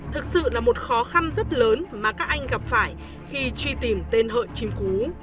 thực sự là một khó khăn rất lớn mà các anh gặp phải khi truy tìm tên hợi chim cú